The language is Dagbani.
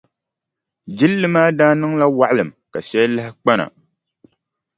Jilli maa daa niŋla waɣilim ka shɛli lahi kpa na.